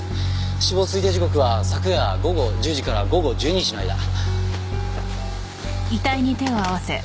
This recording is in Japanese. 死亡推定時刻は昨夜午後１０時から午後１２時の間。